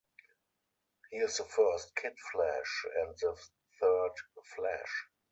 He is the first Kid Flash and the third Flash.